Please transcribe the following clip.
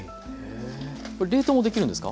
これ冷凍もできるんですか？